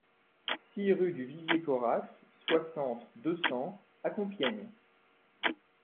six rue du Vivier Corax, soixante, deux cents à Compiègne